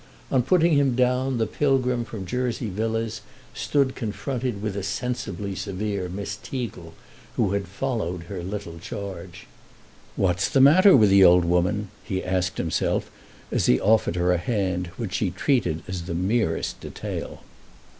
On putting him down the pilgrim from Jersey Villas stood confronted with a sensibly severe Miss Teagle, who had followed her little charge. "What's the matter with the old woman?" he asked himself as he offered her a hand which she treated as the merest detail.